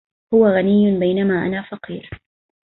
هو غني بينما أنا فقير